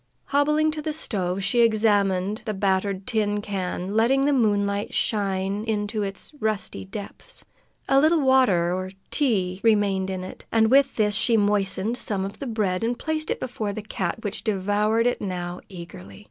Hobbling to the stove, she examined the battered tin can, letting the moonlight shine into its rusty depths. A little water or tea remained in it, and with this she moistened some of the bread and placed it before the cat, which devoured it now eagerly.